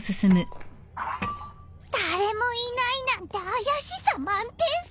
誰もいないなんて怪しさ満点さ。